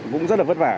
cũng rất là vất vả